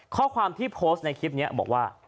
ข้อความที่โพสต์ในคลิปนี้บอกว่า